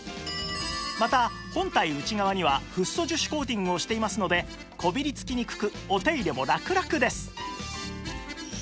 また本体内側にはフッ素樹脂コーティングをしていますのでこびりつきにくくお手入れもラクラクです